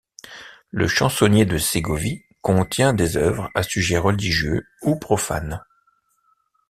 Le chansonnier de Ségovie contient des œuvres à sujets religieux ou profanes.